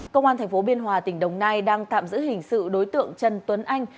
công an tp biên hòa tỉnh đồng nai đang tạm giữ hình sự đối tượng trần tuấn anh